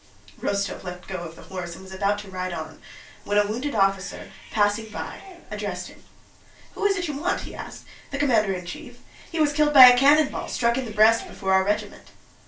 Rostóv let go of the horse and was about to ride on, when a wounded officer passing by addressed him: "Who is it you want?" he asked. "The commander in chief? He was killed by a cannon ball—struck in the breast before our regiment."